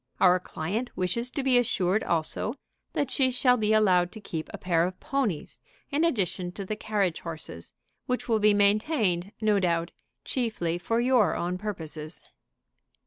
Our client wishes to be assured also that she shall be allowed to keep a pair of ponies in addition to the carriage horses, which will be maintained, no doubt, chiefly for your own purposes."